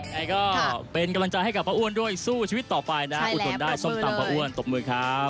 ยังไงก็เป็นกำลังใจให้กับป้าอ้วนด้วยสู้ชีวิตต่อไปนะอดทนได้ส้มตำป้าอ้วนตบมือครับ